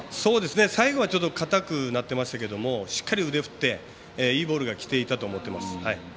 最後はちょっと硬くなってましたけれどもしっかり腕を振っていいボールがきていたと思っています。